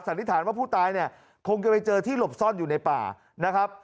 นิษฐานว่าผู้ตายเนี่ยคงจะไปเจอที่หลบซ่อนอยู่ในป่านะครับ